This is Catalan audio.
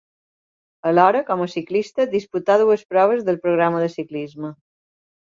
Alhora, com a ciclista, disputà dues proves del programa de ciclisme.